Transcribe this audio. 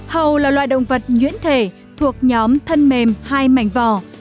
hầu là loài động vật nhuyễn thể thuộc nhóm thân mềm hai mảnh vò